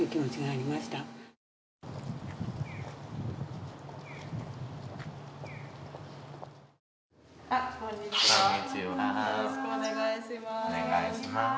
よろしくお願いします